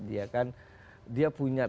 dia kan dia punya